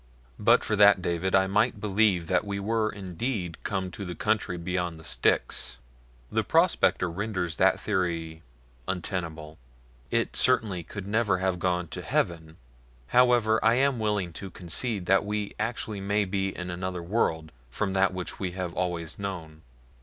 "But for that, David, I might believe that we were indeed come to the country beyond the Styx. The prospector renders that theory untenable it, certainly, could never have gone to heaven. However I am willing to concede that we actually may be in another world from that which we have always known.